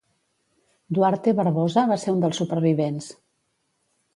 Duarte Barbosa va ser un dels supervivents.